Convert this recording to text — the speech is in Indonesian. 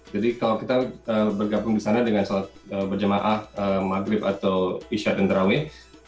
jadi kalau kita bergabung di sana dengan salat berjemaah maghrib atau isyad dan taraweeh